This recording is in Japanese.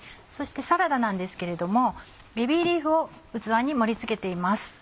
そしてサラダなんですけれどもベビーリーフを器に盛り付けています。